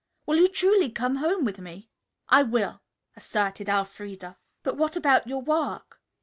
"Will you truly come home with me!" "I will," asserted Elfreda. "But what about your work?"